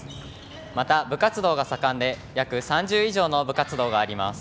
また部活動が盛んで約３０以上の部活動があります。